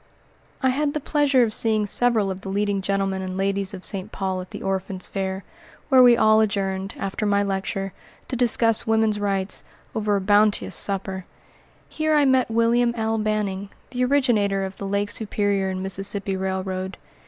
I had the pleasure of seeing several of the leading gentlemen and ladies of St. Paul at the Orphans' Fair, where we all adjourned, after my lecture, to discuss woman's rights, over a bounteous supper. Here I met William L. Banning, the originator of the Lake Superior and Mississippi Railroad.